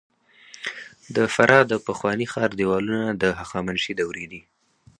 د فراه د پخواني ښار دیوالونه د هخامنشي دورې دي